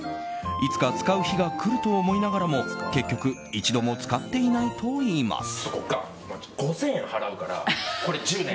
いつか使う日がくると思いながらも結局、一度も使っていないといいます。